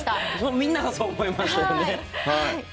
みんながそう思いましたよね。